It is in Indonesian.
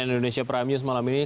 cnn indonesia prime news malam ini